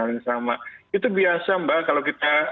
hal yang sama itu biasa mbak kalau kita